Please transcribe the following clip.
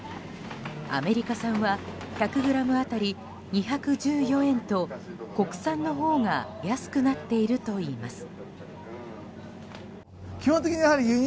アメリカ産は１００ｇ当たり２１４円と国産のほうが安くなっているといいます。